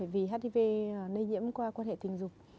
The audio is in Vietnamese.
vì hát đi vê lây nhiễm qua quan hệ tình dục